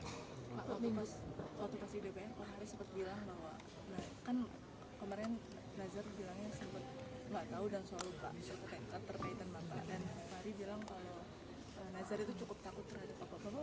pak waktu kasih dpr pak nof sempat bilang bahwa